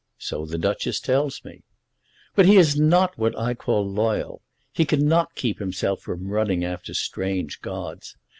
"So the Duchess tells me." "But he is not what I call loyal. He cannot keep himself from running after strange gods.